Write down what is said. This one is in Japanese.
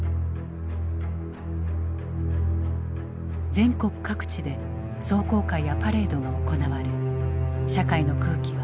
全国各地で壮行会やパレードが行われ社会の空気は大きく変わっていった。